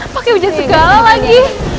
pakai uja segala lagi